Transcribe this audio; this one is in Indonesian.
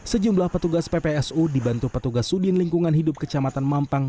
sejumlah petugas ppsu dibantu petugas sudin lingkungan hidup kecamatan mampang